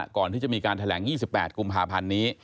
ก่อนที่จะมีการแถลง๒๘กุมภาพันธ์นี้